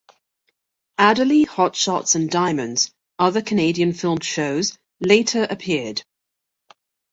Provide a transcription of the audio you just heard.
"Adderly", "Hot Shots" and "Diamonds", other Canadian-filmed shows, later appeared.